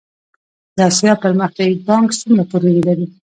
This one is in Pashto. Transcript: د اسیا پرمختیایی بانک څومره پروژې لري؟